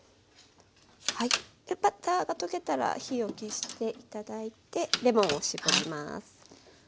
バターが溶けたら火を消して頂いてレモンを搾ります。